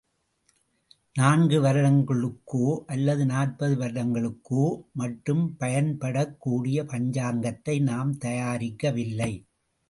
நான்கு வருடங்களுக்கோ, அல்லது நாற்பது வருடங்களுக்கோ மட்டும் பயன்படக்கூடிய பஞ்சாங்கத்தை நாம் தயாரிக்கவில்லை.